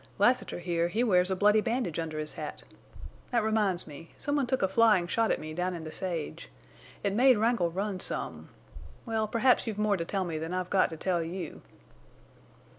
Lassiter, here, he wears a bloody bandage under his hat. That reminds me. Some one took a flying shot at me down in the sage. It made Wrangle run some.... Well, perhaps you've more to tell me than I've got to tell you."